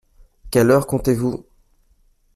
Quelle heure comptez-vous ?